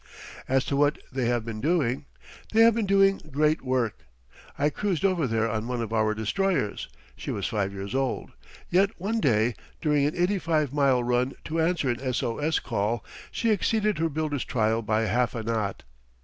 As to what they have been doing! They have been doing great work. I cruised over there on one of our destroyers. She was five years old, yet one day during an 85 mile run to answer an S O S call she exceeded her builder's trial by half a knot.